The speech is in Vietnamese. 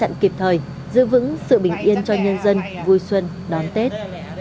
chúng tôi cũng kịp thời giữ vững sự bình yên cho nhân dân vui xuân đón tết